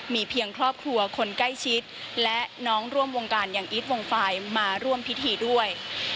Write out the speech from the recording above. มีเพียงครอบครัวคนใกล้ชิดและน้องร่วมวงการอย่างอีทวงไฟล์มาร่วมพิธีด้วย